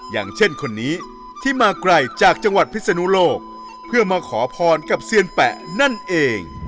อย่างเช่นคนนี้ที่มาไกลจากจังหวัดพิศนุโลกเพื่อมาขอพรกับเซียนแปะนั่นเอง